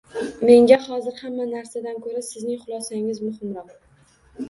Menga hozir hamma narsadan ko`ra sizning xulosangiz muhimroq